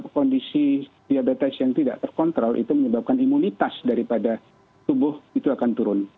kondisi diabetes yang tidak terkontrol itu menyebabkan imunitas daripada tubuh itu akan turun